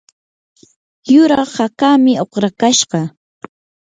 yuraq hakaami uqrakashqa.